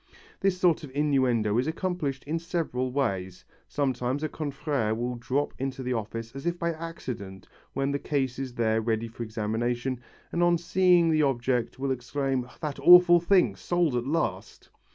This sort of innuendo is accomplished in several ways. Sometimes a confrère will drop into the office as if by accident when the case is there ready for examination, and on seeing the object will exclaim, "That awful thing, sold at last!"